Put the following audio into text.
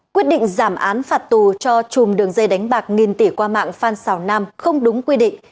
quyết định giảm án phạt tù cho chùm đường dây đánh bạc nghìn tỷ qua mạng phan xào nam không đúng quy định